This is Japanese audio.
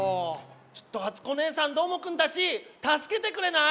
ちょっとあつこおねえさんどーもくんたちたすけてくれない？